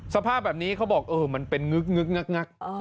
สภาพแบบนี้เขาบอกเออมันเป็นงึกงัก